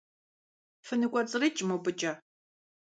ФыныкӀуэцӀрыкӀ мобыкӀэ.